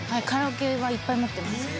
カラオケはいっぱい持ってます。